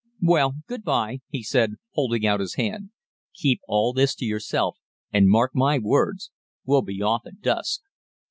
Well, good bye,' he said, holding out his hand. 'Keep all this to yourself, and mark my words, we'll be off at dusk.'